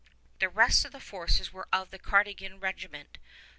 The rest of the forces were of the Carignan Regiment.